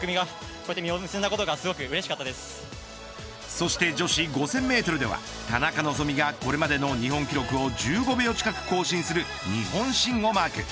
そして女子５０００メートルでは田中希実がこれまでの日本記録を１５秒近く更新する日本新をマーク。